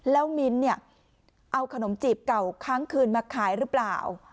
แล้วมิ้นท์เนี่ยเอาขนมจีบเก่าค้างคืนมาขายหรือเปล่า